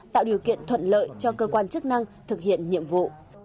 tạo điều kiện thuận lợi cho cơ quan chức năng thực hiện nhiệm vụ